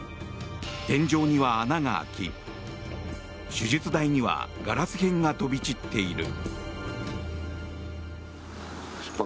天井には穴が開き、手術台にはガラス片が飛び散っている。